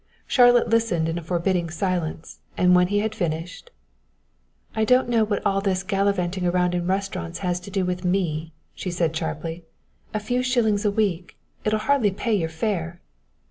Charlotte listened in a forbidding silence, and when he had finished: "I don't know what all this gallivanting about in restaurants has to do with me," she said sharply, "a few shillings a week it'll hardly pay your fare."